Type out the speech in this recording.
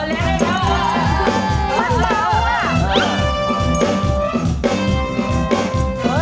มันเมาอ่ะ